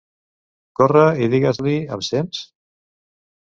Corre i digues-l'hi, em sents?